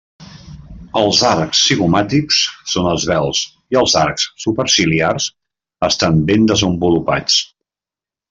Els arcs zigomàtics són esvelts i els arcs superciliars estan ben desenvolupats.